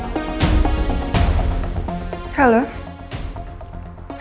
mbak andin mau ke panti